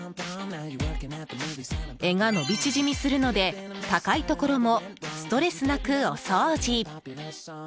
柄が伸び縮みするので高いところもストレスなくお掃除。